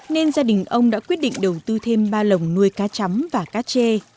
nên gia đình ông đã quyết định đầu tư thêm ba lồng nuôi cá trắng